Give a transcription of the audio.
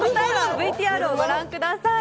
ＶＴＲをご覧ください